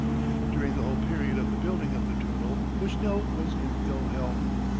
During the whole period of the building of the Turtle Bushnell was in ill health.